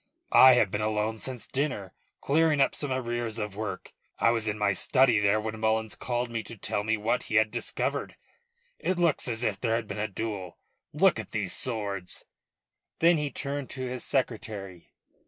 "I have been alone since dinner, clearing up some arrears of work. I was in my study there when Mullins called me to tell me what he had discovered. It looks as if there had been a duel. Look at these swords." Then he turned to his secretary.